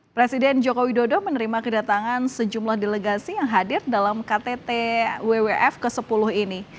presiden joko widodo menerima kedatangan sejumlah delegasi yang hadir dalam ktt wwf ke sepuluh ini